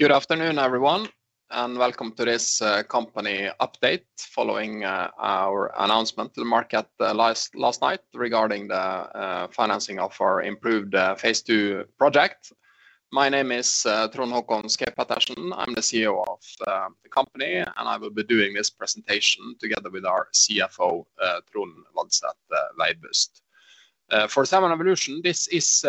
Good afternoon, everyone, and welcome to this company update following our announcement to the market last night regarding the financing of our improved phase II project. My name is Trond Håkon Schaug-Pettersen. I'm the CEO of the company, and I will be doing this presentation together with our CFO, Trond Vadset Veibust. For Salmon Evolution, this is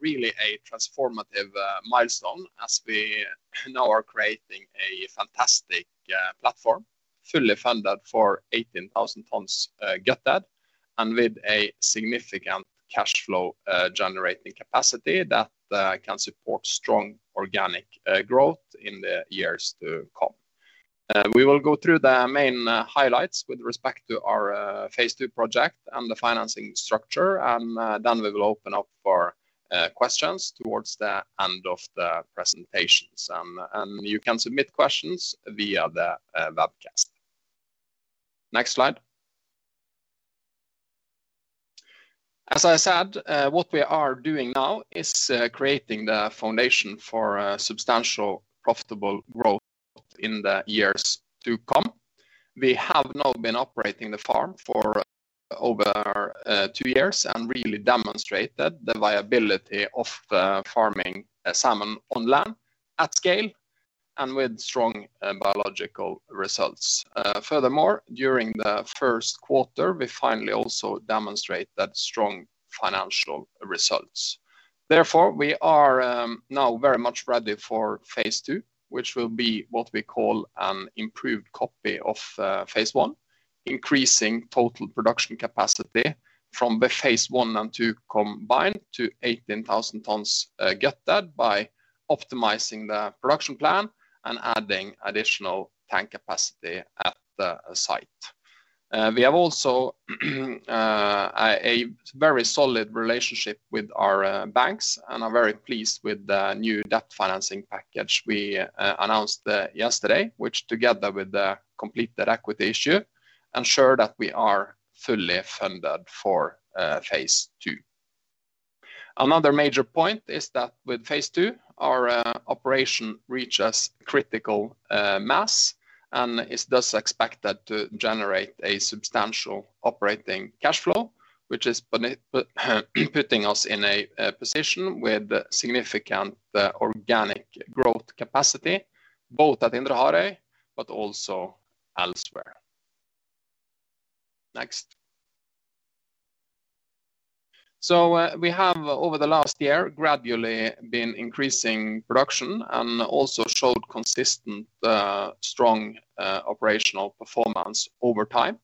really a transformative milestone, as we now are creating a fantastic platform, fully funded for 18,000 tons gutted, and with a significant cash flow generating capacity that can support strong organic growth in the years to come. We will go through the main highlights with respect to our phase II project and the financing structure. Then we will open up for questions towards the end of the presentations. You can submit questions via the webcast. Next slide. As I said, what we are doing now is creating the foundation for a substantial profitable growth in the years to come. We have now been operating the farm for over two years and really demonstrated the viability of farming salmon on land at scale and with strong biological results. Furthermore, during the first quarter, we finally also demonstrate that strong financial results. Therefore, we are now very much ready for phase II, which will be what we call an improved copy of phase I, increasing total production capacity from the phase I and II combined to 18,000 tons gutted, by optimizing the production plan and adding additional tank capacity at the site. We have also a very solid relationship with our banks and are very pleased with the new debt financing package we announced yesterday, which, together with the completed equity issue, ensure that we are fully funded for phase II. Another major point is that with phase II, our operation reaches critical mass and is thus expected to generate a substantial operating cash flow, which is putting us in a position with significant organic growth capacity, both at Indre Harøy, but also elsewhere. Next. We have, over the last year, gradually been increasing production and also showed consistent strong operational performance over time.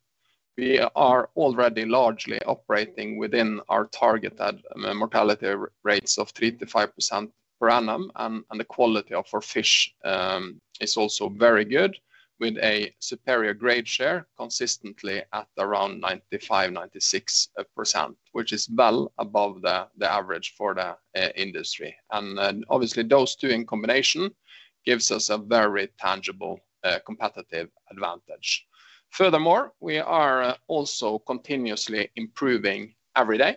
We are already largely operating within our target at mortality rates of 3%-5% per annum, and the quality of our fish is also very good, with a superior grade share consistently at around 95%-96%, which is well above the average for the industry. Then, obviously, those two in combination gives us a very tangible competitive advantage. Furthermore, we are also continuously improving every day.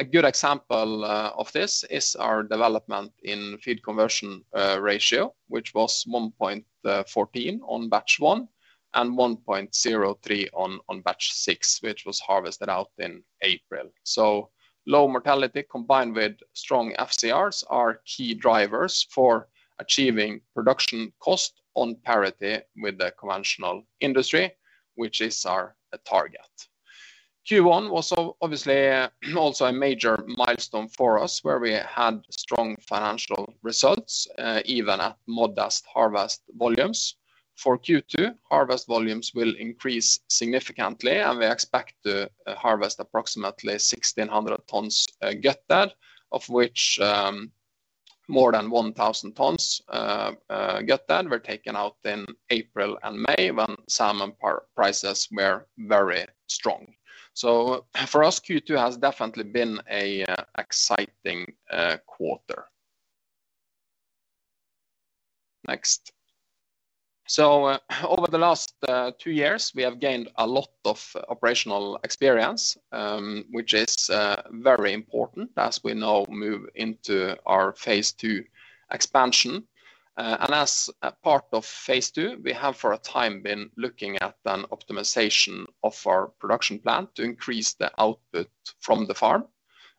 A good example of this is our development in feed conversion ratio, which was 1.14 on batch one and 1.03 on batch six, which was harvested out in April. So low mortality, combined with strong FCRs, are key drivers for achieving production cost on parity with the conventional industry, which is our target. Q1 was obviously also a major milestone for us, where we had strong financial results, even at modest harvest volumes. For Q2, harvest volumes will increase significantly, and we expect to harvest approximately 1,600 tons gutted, of which more than 1,000 tons gutted were taken out in April and May, when salmon prices were very strong. So for us, Q2 has definitely been an exciting quarter. Next. So over the last two years, we have gained a lot of operational experience, which is very important as we now move into our phase II expansion. And as a part of phase II, we have, for a time, been looking at an optimization of our production plan to increase the output from the farm.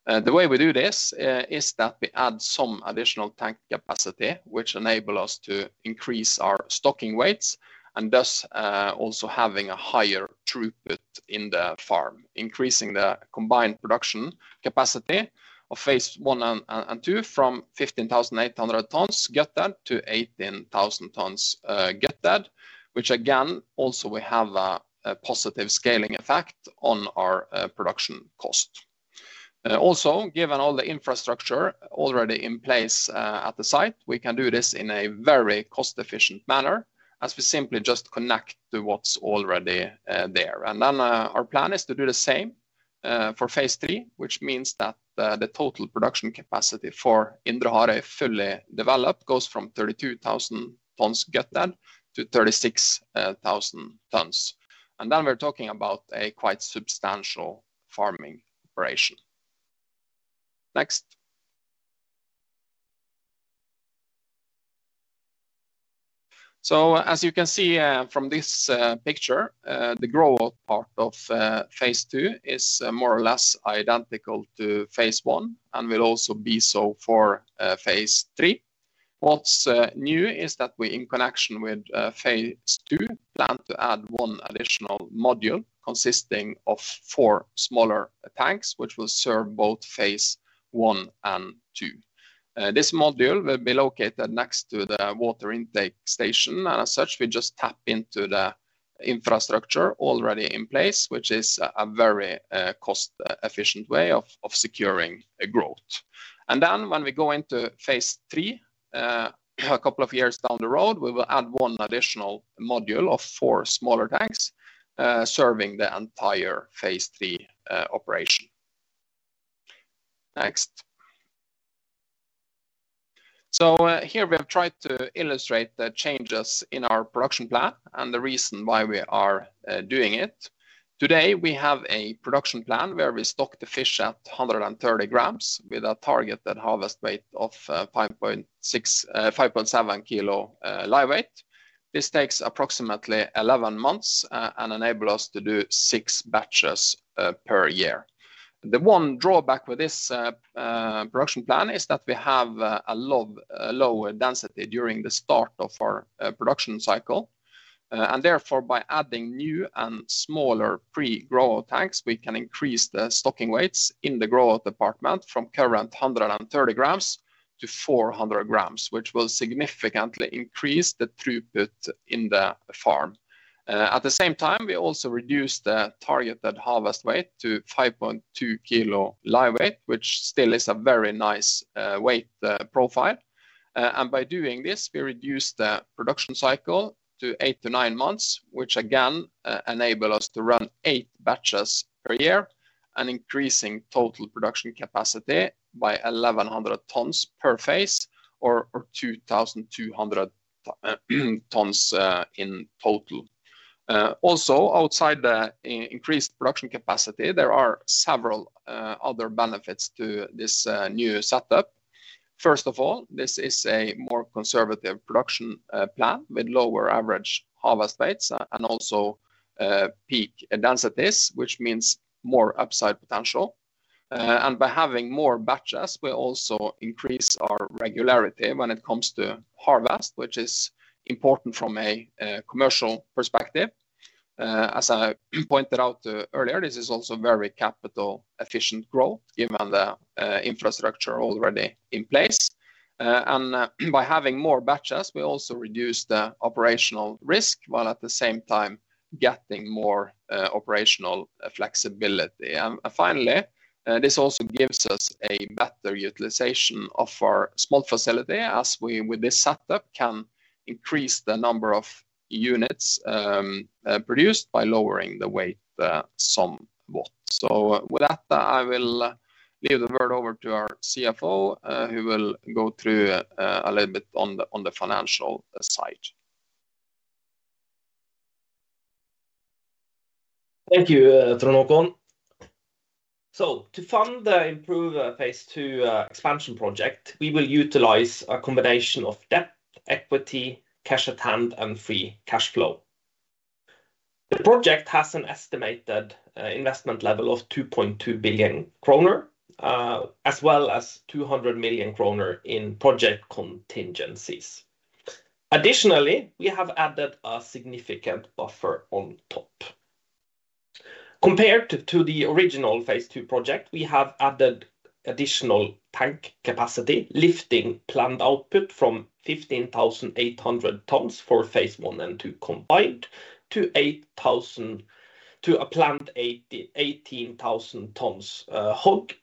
The way we do this is that we add some additional tank capacity, which enable us to increase our stocking weights, and thus also having a higher throughput in the farm, increasing the combined production capacity phase I and II from 15,800 tons gutted to 18,000 tons gutted, which again also will have a positive scaling effect on our production cost. Also, given all the infrastructure already in place at the site, we can do this in a very cost-efficient manner, as we simply just connect to what's already there. And then, our plan is to do the same for phase III, which means that the total production capacity for Indre Harøy fully developed goes from 32,000 tons gutted to 36,000 tons. And then we're talking about a quite substantial farming operation. Next. So as you can see from this picture, the grow-out part of phase II is more or less identical to phase I and will also be so for phase III. What's new is that we, in connection with phase II, plan to add one additional module consisting of four smaller tanks, which will serve phase I and II. this module will be located next to the water intake station, and as such, we just tap into the infrastructure already in place, which is a very cost-efficient way of securing growth. And then when we go into phase III, a couple of years down the road, we will add one additional module of four smaller tanks, serving the entire phase III operation. Next. So, here we have tried to illustrate the changes in our production plan and the reason why we are doing it. Today, we have a production plan where we stock the fish at 130 g, with a target at harvest weight of 5.7 kg live weight. This takes approximately 11 months and enable us to do 6 batches per year. The one drawback with this production plan is that we have a low lower density during the start of our production cycle. And therefore, by adding new and smaller pre-grower tanks, we can increase the stocking weights in the growth department from current 130 g to 400 g, which will significantly increase the throughput in the farm. At the same time, we also reduce the target at harvest weight to 5.2 kg live weight, which still is a very nice weight profile. By doing this, we reduce the production cycle to 8-9 months, which again enable us to run eight batches per year and increasing total production capacity by 1,100 tons per phase or 2,200 tons in total. Also, outside the increased production capacity, there are several other benefits to this new setup. First of all, this is a more conservative production plan with lower average harvest weights and also peak densities, which means more upside potential. By having more batches, we also increase our regularity when it comes to harvest, which is important from a commercial perspective. As I pointed out earlier, this is also very capital efficient growth given the infrastructure already in place. And by having more batches, we also reduce the operational risk, while at the same time getting more operational flexibility. And finally, this also gives us a better utilization of our small facility, as we, with this setup, can increase the number of units produced by lowering the weight somewhat. So with that, I will leave the word over to our CFO, who will go through a little bit on the financial side. Thank you, Trond Håkon. To fund the improved phase II expansion project, we will utilize a combination of debt, equity, cash at hand, and free cash flow. The project has an estimated investment level of 2.2 billion kroner, as well as 200 million kroner in project contingencies. Additionally, we have added a significant buffer on top. Compared to the original phase II project, we have added additional tank capacity, lifting planned output from 15,800 tons phase I and II combined, to a planned 18,000 tons HOG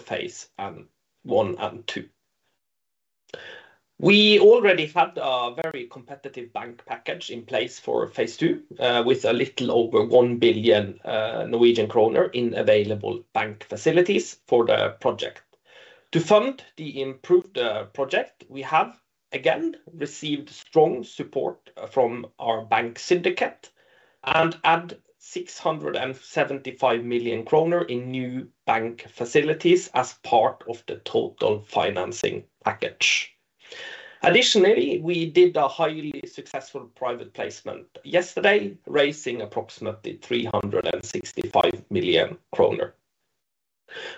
phase I and II. we already had a very competitive bank package in place for phase II, with a little over 1 billion Norwegian kroner in available bank facilities for the project. To fund the improved project, we have again received strong support from our bank syndicate and add 675 million kroner in new bank facilities as part of the total financing package. Additionally, we did a highly successful private placement yesterday, raising approximately 365 million kroner.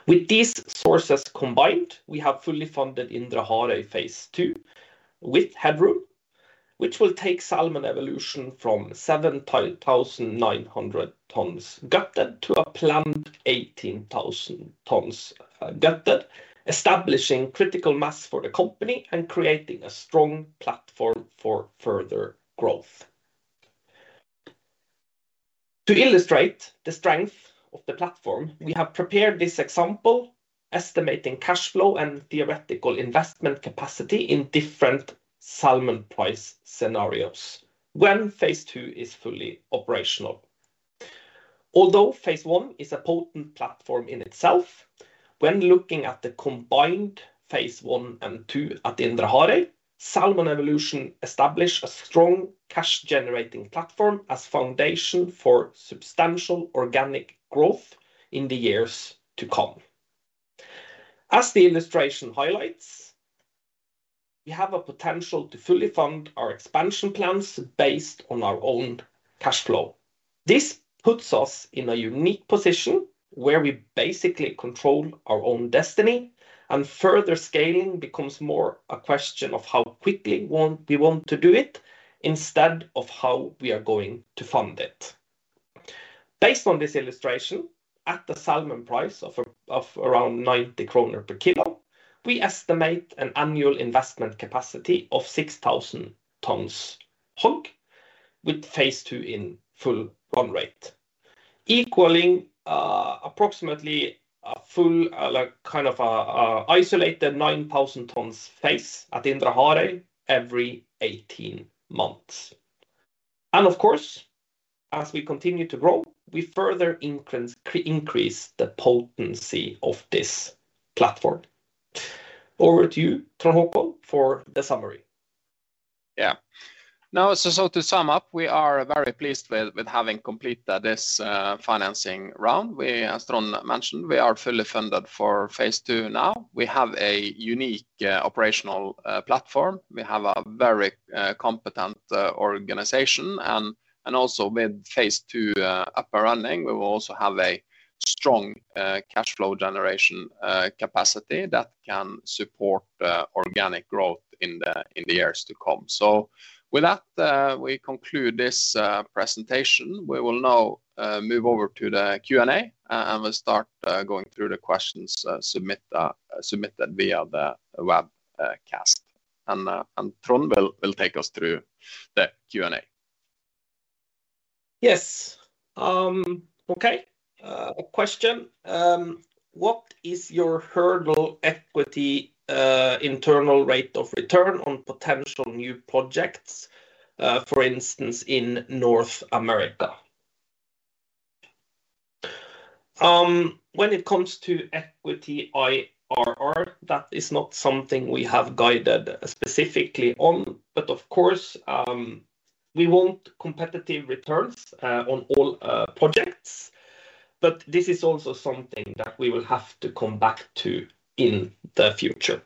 With these sources combined, we have fully funded Indre Harøy phase II with headroom, which will take Salmon Evolution from 7,900 tons gutted to a planned 18,000 tons gutted, establishing critical mass for the company and creating a strong platform for further growth. To illustrate the strength of the platform, we have prepared this example, estimating cash flow and theoretical investment capacity in different salmon price scenarios when phase II is fully operational. Although phase I is a potent platform in itself, when looking at the combined phase I and phase II at Indre Harøy, Salmon Evolution established a strong cash-generating platform as foundation for substantial organic growth in the years to come. As the illustration highlights, we have a potential to fully fund our expansion plans based on our own cash flow. This puts us in a unique position where we basically control our own destiny, and further scaling becomes more a question of how quickly we want to do it, instead of how we are going to fund it. Based on this illustration, at the salmon price of around 90 kroner per kilo, we estimate an annual investment capacity of 6,000 tons HOG, with phase II in full run rate, equaling approximately a full isolated 9,000 tons phase at Indre Harøy every 18 months. And of course, as we continue to grow, we further increase the potency of this platform. Over to you, Trond Håkon, for the summary. Yeah. Now, so, so to sum up, we are very pleased with, with having completed this, financing round. We, as Trond mentioned, we are fully funded for phase II now. We have a unique, operational, platform. We have a very, competent, organization, and, and also with phase II, up and running, we will also have a strong, cash flow generation, capacity that can support, organic growth in the years to come. So with that, we conclude this, presentation. We will now, move over to the Q&A, and we'll start, going through the questions, submitted via the webcast. And, and Trond will take us through the Q&A. Yes. Okay. A question: "What is your hurdle equity, internal rate of return on potential new projects, for instance, in North America?" When it comes to equity IRR, that is not something we have guided specifically on, but of course, we want competitive returns on all projects, but this is also something that we will have to come back to in the future.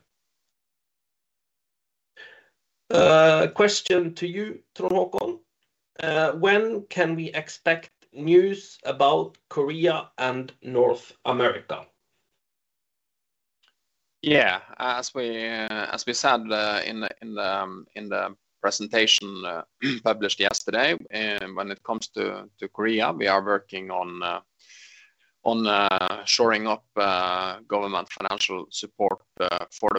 Question to you, Trond Håkon: "When can we expect news about Korea and North America? Yeah, as we said, in the presentation published yesterday, when it comes to Korea, we are working on shoring up government financial support for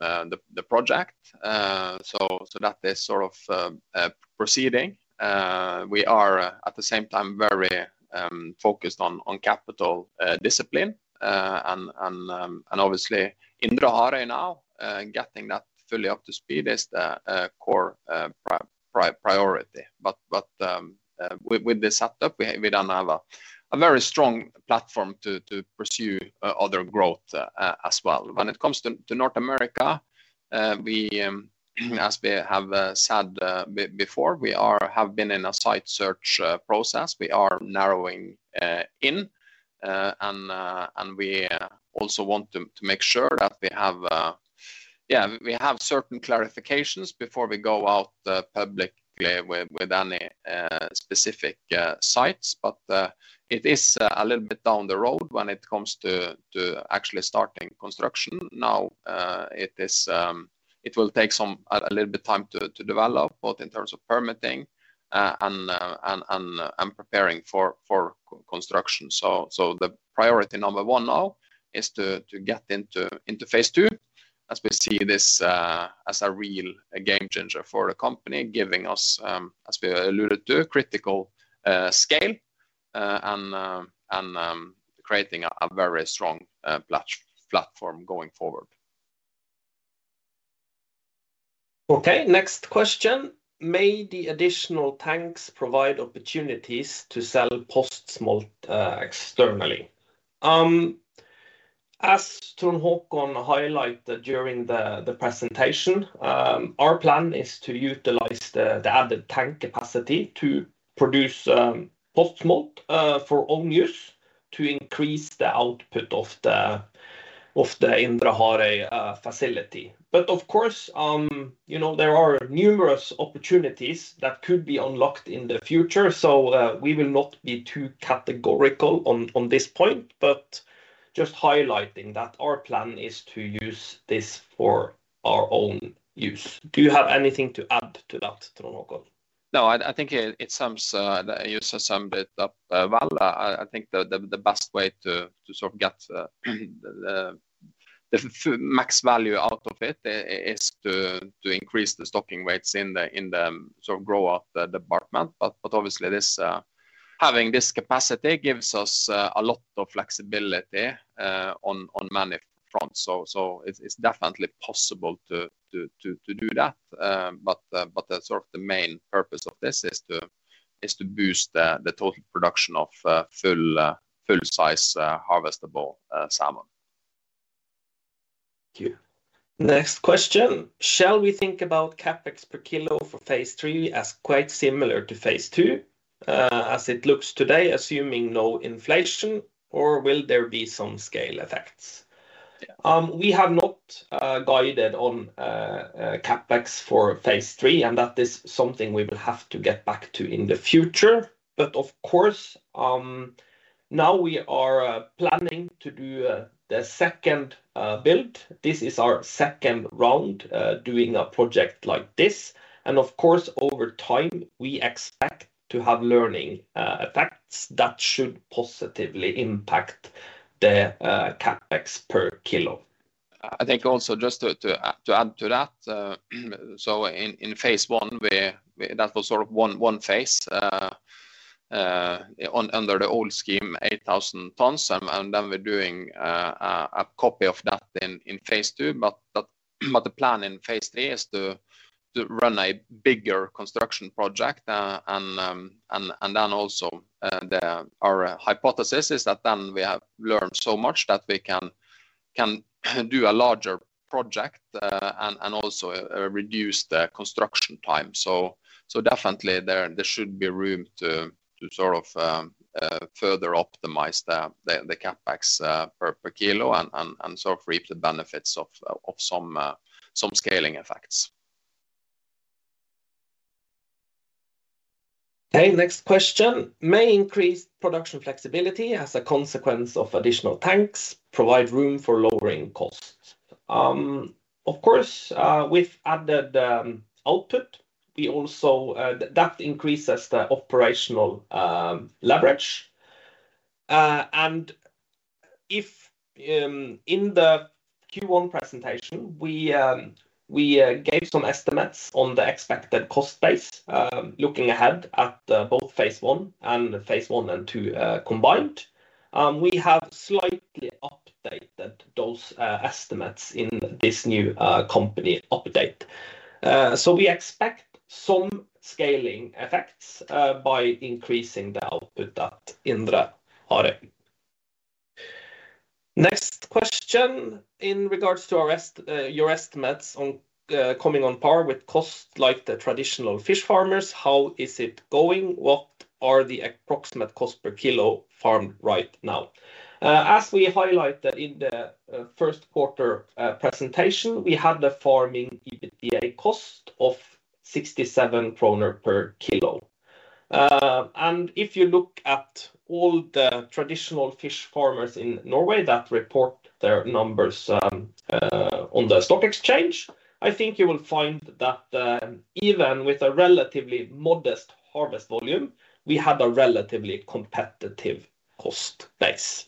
the project. So, that is sort of proceeding. We are, at the same time, very focused on capital discipline, and obviously Indre Harøy now getting that fully up to speed is the core priority. But, with this setup, we then have a very strong platform to pursue other growth as well. When it comes to North America, we, as we have said before, we have been in a site search process. We are narrowing in, and we also want to make sure that we have, yeah, we have certain clarifications before we go out publicly with any specific sites. But it is a little bit down the road when it comes to actually starting construction. Now, it will take a little bit time to develop, both in terms of permitting and preparing for construction. So the priority number one now is to get into phase II, as we see this as a real game changer for the company, giving us, as we alluded to, critical scale and creating a very strong platform going forward. Okay, next question: "May the additional tanks provide opportunities to sell postsmolt externally?" As Trond Håkon highlighted during the presentation, our plan is to utilize the added tank capacity to produce postsmolt for own use, to increase the output of the Indre Harøy facility. But of course, you know, there are numerous opportunities that could be unlocked in the future, so we will not be too categorical on this point, but just highlighting that our plan is to use this for our own use. Do you have anything to add to that, Trond Håkon? No, I think you summed it up well. I think the best way to sort of get the max value out of it is to increase the stocking rates in the sort of grow-out department. But obviously, this having this capacity gives us a lot of flexibility on many fronts. So it's definitely possible to do that, but the sort of main purpose of this is to boost the total production of full full size harvestable salmon. Thank you. Next question: Shall we think about CapEx per kilo for phase III as quite similar to phase II, as it looks today, assuming no inflation, or will there be some scale effects? We have not guided on CapEx for phase III, and that is something we will have to get back to in the future. But of course, now we are planning to do the second build. This is our second round doing a project like this. And of course, over time, we expect to have learning effects that should positively impact the CapEx per kilo. I think also just to add to that, so in phase I, we that was sort of one phase under the old scheme, 8,000 tons. And then we're doing a copy of that in phase II. But the plan in phase III is to run a bigger construction project. And then also, our hypothesis is that then we have learned so much that we can do a larger project and also reduce the construction time. So definitely there should be room to sort of further optimize the CapEx per kilo and sort of reap the benefits of some scaling effects. Okay, next question: May increased production flexibility as a consequence of additional tanks provide room for lowering costs? Of course, with added output, we also that increases the operational leverage. And if in the Q1 presentation, we gave some estimates on the expected cost base, looking ahead at both phase I phase I and II, combined. We have slightly updated those estimates in this new company update. So we expect some scaling effects by increasing the output at Indre Harøy. Next question, in regards to your estimates on coming on par with costs like the traditional fish farmers, how is it going? What are the approximate cost per kilo farmed right now? As we highlighted in the first quarter presentation, we had a farming EBITDA cost of 67 kroner per kg. If you look at all the traditional fish farmers in Norway that report their numbers on the stock exchange, I think you will find that even with a relatively modest harvest volume, we have a relatively competitive cost base.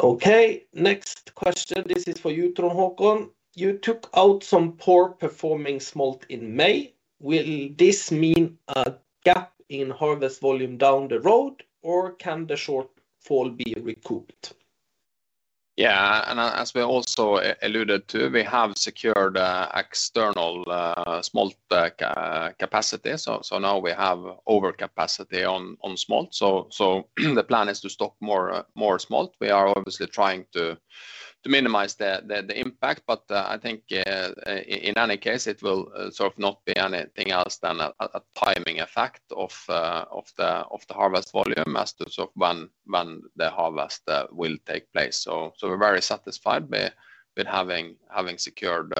Okay, next question. This is for you, Trond Håkon. You took out some poor performing smolt in May. Will this mean a gap in harvest volume down the road, or can the shortfall be recouped? Yeah, and as we also alluded to, we have secured external smolt capacity, so now we have overcapacity on smolt. So the plan is to stock more smolt. We are obviously trying to minimize the impact, but I think in any case, it will sort of not be anything else than a timing effect of the harvest volume as to sort of when the harvest will take place. So we're very satisfied with having secured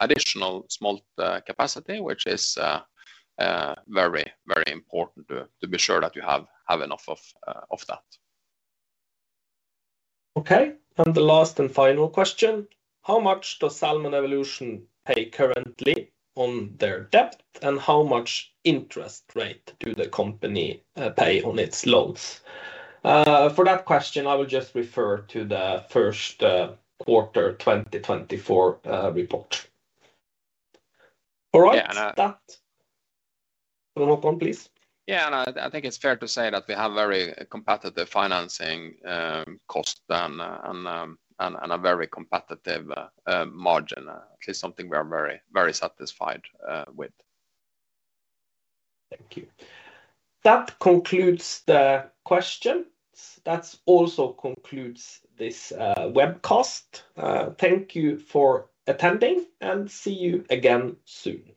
additional smolt capacity, which is very important to be sure that you have enough of that. Okay, and the last and final question: How much does Salmon Evolution pay currently on their debt, and how much interest rate do the company pay on its loans? For that question, I would just refer to the first quarter 2024 report. All right. Yeah, and I- Trond Håkon, please. Yeah, and I think it's fair to say that we have very competitive financing cost, and a very competitive margin. It's something we are very, very satisfied with. Thank you. That concludes the questions. That's also concludes this webcast. Thank you for attending, and see you again soon.